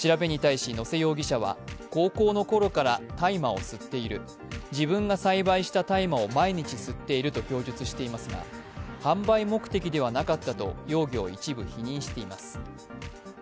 調べに対し、野瀬容疑者は高校の頃から大麻を吸っている自分が栽培した大麻を毎日吸っていると供述していますが、販売目的ではなかったと容疑者を一部否認しています。